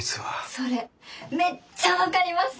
それめっちゃ分かります！